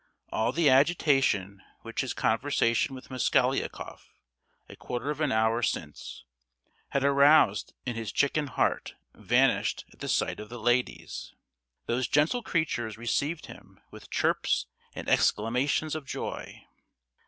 All the agitation which his conversation with Mosgliakoff, a quarter of an hour since, had aroused in his chicken heart vanished at the sight of the ladies. Those gentle creatures received him with chirps and exclamations of joy.